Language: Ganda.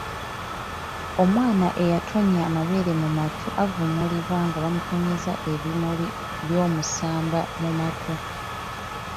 Omwana eyatonnya amabeere mu matu avumulibwa nga bamutonnyeza ebimuli by’omusambya mu matu.